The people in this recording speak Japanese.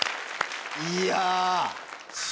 いや。